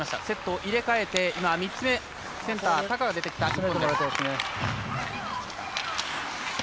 セットを入れ替えてセンター、高が出てきた。